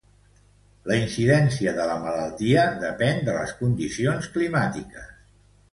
La incidència de la malaltia depén de les condicions climàtiques.